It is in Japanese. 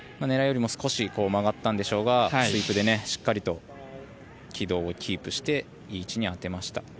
狙いよりも少し曲がったんでしょうがスイープでしっかりと軌道をキープしていい位置に当てました。